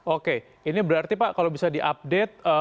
oke ini berarti pak kalau bisa diupdate